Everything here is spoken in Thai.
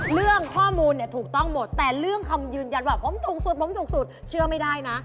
เรื่องข้อมูลเนี่ยถูกต้องหมดแต่เรื่องคำยืนยันว่าผมถูกสุดผมถูกสุดเชื่อไม่ได้นะ